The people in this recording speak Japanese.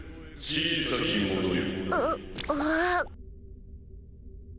小さき者よ。